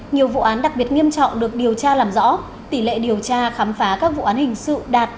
nhiều vụ án đặc biệt nghiêm trọng được điều tra làm rõ tỷ lệ điều tra khám phá các vụ án hình sự đạt tám mươi